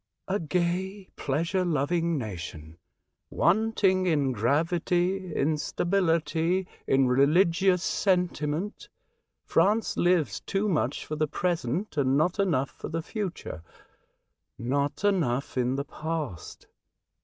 " A gay, pleasure loving nation, wanting in gravity, in stability, in religious sentiment. France lives too much for the present and not enough for the future — not enough in the past.